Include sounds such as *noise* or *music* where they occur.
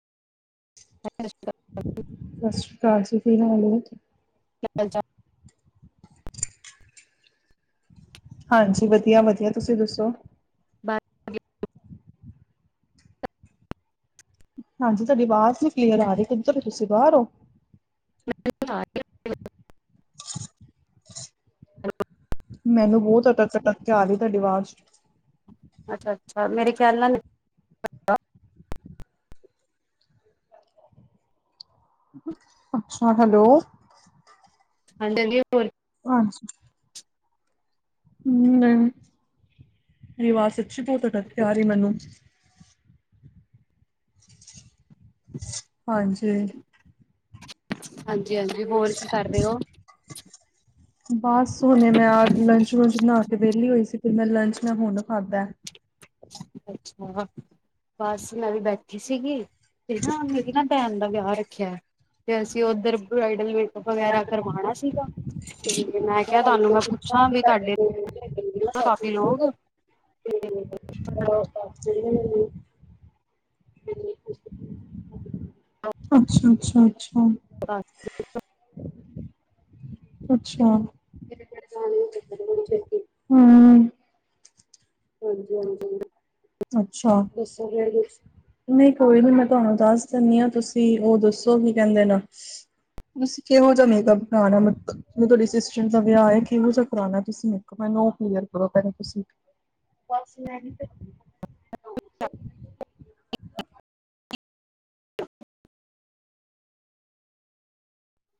*unintelligible* *inaudible* ਸਤਿ ਸ੍ਰੀ ਅਕਾਲ ਜੀ ਕੀ ਹਾਲ ਏ? ਕੀ ਹਾਲ ਚਾਲ? ਹਾਂਜੀ ਵਧੀਆ-ਵਧੀਆ ਤੁਸੀਂ ਦੱਸੋ? *inaudible* ਹਾਂਜੀ ਤੁਹਾਡੀ ਆਵਾਜ਼ ਨੀ ਕਲੀਅਰ ਆ ਰਈ ਕਿੱਧਰ ਓ ਤੁਸੀਂ ਬਾਹਰ ਓ? *unintelligible* ਮੈਨੂੰ ਬੋਹਤ ਅਟਕ-ਅਟਕ ਕੇ ਆਰੀ ਤੁਹਾਡੀ ਆਵਾਜ਼। ਅੱਛਾ-ਅੱਛਾ ਮੇਰੇ ਖਿਆਲ ਨਾਲ ਅੱਛਾ ਹੈਲੋ। *unintelligible* ਹੋਰ ਅੱਛਾ ਨੈ, ਤੁਹਾਡੀ ਆਵਾਜ਼ ਸੱਚੀ ਬੋਤ ਅਟਕ ਕੇ ਆਰੀ ਮੈਨੂੰ।। ਹਾਂਜੀ ਹਾਂਜੀ-ਹਾਂਜੀ ਹੋਰ ਕੀ ਕਰ ਰੇ ਓ? ਬਸ ਹੁਣੇ ਮੈਂ ਆ ਲੰਚ ਲੂੰਚ ਬਣਾ ਕੇ ਵੇਲੀ ਹੋਈ ਸੀ, ਫਿਰ ਮੈਂ ਲੰਚ ਮੈਂ ਹੁਣ ਖਾਦਾ ਐ। ਅੱਛਾ ਬਸ ਮੈਂ ਵੀ ਬੈਠੀ ਸੀਗੀ। ਤੇ ਨਾ ਮੇਰੀ ਨਾ ਭੈਣ ਦਾ ਵਿਆਹ ਰੱਖਿਯਾ ਐ। ਤੇ ਅਸੀਂ ਓਧਰ ਬ੍ਰਈਡਲ ਮੇਕਅਪ ਵਗੈਰਾ ਕਰਵਾਣਾ ਸੀਗਾ, ਤੇ ਮੈਂ ਕਿਆ ਤੁਹਾਨੂੰ ਮੈਂ ਪੁ ਛਾ ਕੀ ਲੋਕ *unintelligible* *inaudible* ਅੱਛਾ ਅੱਛਾ ਅੱਛਾ। *unintelligible* ਅੱਛਾ, ਹੂੰ। ਹਾਂਜੀ ਹਾਂਜੀ, ਅੱਛਾ, ਦੱਸੋਗੇ ਕੁਛ। ਨਹੀਂ ਕੋਈ ਨੀ ਮੈਂ ਤੁਆਨੂੰ ਦੱਸ ਦਿੰਣੀ ਆਂ, ਤੁਸੀਂ ਓਹ ਦੱਸੋ ਕੀ ਕੈੰਦੇ ਨ ਤੁਸੀਂ ਕਿਹੋ ਜਾ ਮੇਕਅਪ ਕਰਾਣੈ ਮਤਲਬ? ਜਿਵੇ ਤਹਾਡੀ ਸਿਸਟਰ ਦਾ ਵੇਆਹ ਏ, ਕਿਵੇ ਜਾ ਕਰਾਣਾ ਐ ਤੁਸੀਂ ਮੇਕਅਪ? ਮੈਨੂੰ ਓਹ ਕਲੀਅਰ ਕਰੋ ਪੈਹਲੇ ਤੁਸੀਂ। ਬਸ ਮੈ ਨੀ ਤੇ